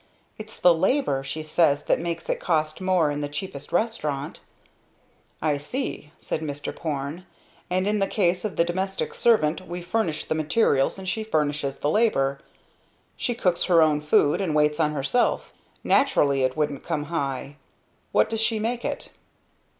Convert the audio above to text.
It's the labor, she says that makes it cost even in the cheapest restaurant." "I see," said Mr. Porne. "And in the case of the domestic servant we furnish the materials and she furnishes the labor. She cooks her own food and waits on herself naturally it wouldn't come high. What does she make it?"